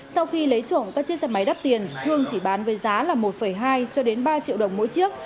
sau khi lấy trộm các chiếc xe máy đắt tiền thương chỉ bán với giá là một hai cho đến ba triệu đồng mỗi chiếc